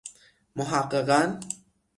محققا ً